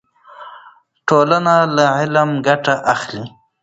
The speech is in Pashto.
ټولنه له علمه ګټه اخلي.